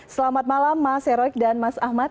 selamat malam mas heroik dan mas ahmad